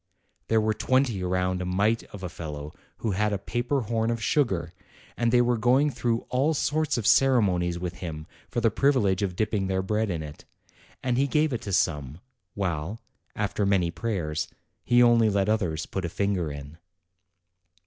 There were twenty round a mite of a fellow who had a paper horn of sugar, and they were going through all sorts of ceremonies with him for the privilege of dipping their bread in it, and he gave it to some, while, after many prayers, he only let others put a finger in.